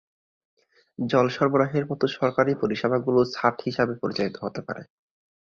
জল সরবরাহের মতো সরকারি পরিষেবাগুলি ছাড় হিসাবে পরিচালিত হতে পারে।